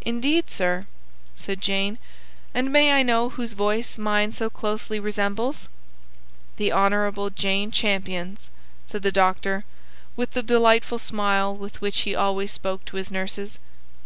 "Indeed, sir," said Jane. "And may I know whose voice mine so closely resembles?" "The Honourable Jane Champion's," said the doctor, with the delightful smile with which he always spoke to his nurses.